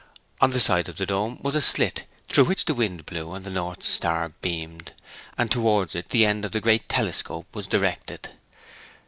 In the side of the dome was a slit, through which the wind blew and the North Star beamed, and towards it the end of the great telescope was directed.